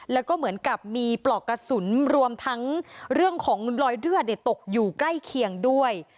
แล้วก็เหมือนกับมีปลอกกระสุนรวมทั้งเรื่องของรอยเลือดตกอยู่ใกล้เคียงด้วย